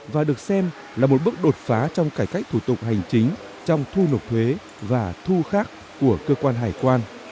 và được xem là một bước đột phá trong cải cách thủ tục hành chính trong thu nộp thuế và thu khác của cơ quan hải quan